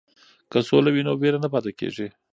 که سوله وي نو وېره نه پاتې کیږي.